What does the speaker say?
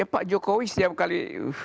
pak jokowi setiap kali